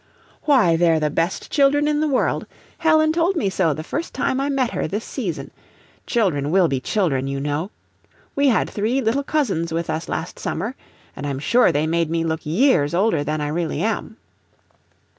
"Why, they're the best children in the world. Helen told me so the first time I met her this season! Children will be children, you know. We had three little cousins with us last summer, and I'm sure they made me look years older than I really am."